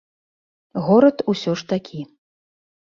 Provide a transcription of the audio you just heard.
Горад усё ж такі.